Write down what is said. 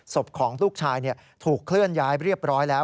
ศพของลูกชายถูกเคลื่อนย้ายเรียบร้อยแล้ว